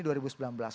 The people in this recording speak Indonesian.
meski bukan jelas